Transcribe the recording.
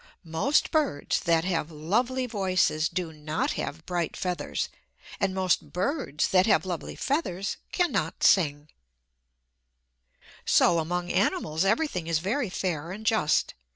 Most birds that have lovely voices do not have bright feathers; and most birds that have lovely feathers cannot sing. So among animals everything is very fair and just.